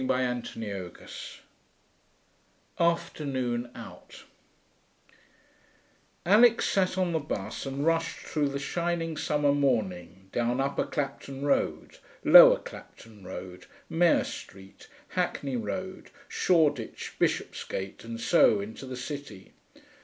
CHAPTER V AFTERNOON OUT 1 Alix sat on the bus and rushed through the shining summer morning down Upper Clapton Road, Lower Clapton Road, Mare Street, Hackney Road, Shoreditch, Bishopsgate, and so into the city.